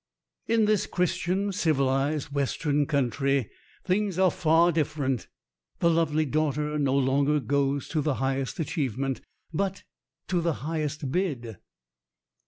In this Christian, civilized, western country, things are far different. The lovely daughter no longer goes to the highest achievement, but to the highest bid.